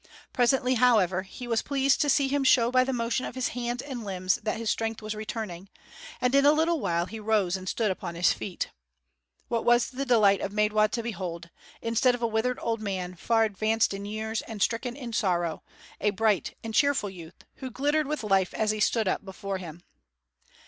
Presently, however, he was pleased to see him show by the motion of his hands and limbs that his strength was returning; and in a little while he rose and stood upon his feet. What was the delight of Maidwa to behold, instead of a withered old man far advanced in years and stricken in sorrow, a bright and cheerful youth, who glittered with life as he stood up before him.